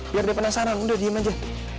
biar dia penasaran udah diem aja